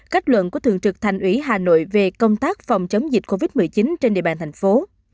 kết luận của thường trực thành ủy hà nội về công tác phòng chống dịch covid một mươi chín trên địa bàn thành phố